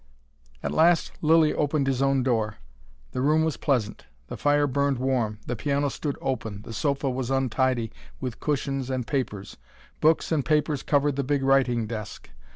At last Lilly opened his own door. The room was pleasant. The fire burned warm, the piano stood open, the sofa was untidy with cushions and papers. Books and papers covered the big writing desk.